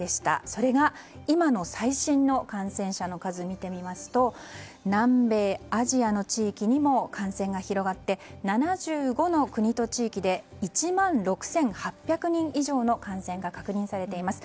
それが今の最新の感染者の数を見てみますと南米、アジアの地域にも感染が広がって７５の国と地域で１万６８００人以上の感染が確認されています。